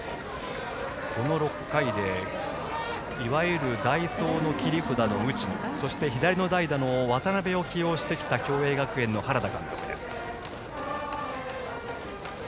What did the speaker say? この６回でいわゆる代走の切り札の打野そして左の代打の渡邊を起用してきた共栄学園の原田監督です。